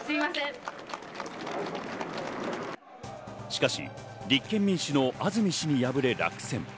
しかし立憲民主の安住氏に敗れ落選。